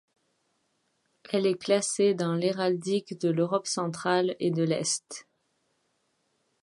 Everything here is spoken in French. Elle est classée dans l'héraldique de l'Europe centrale et de l'Est.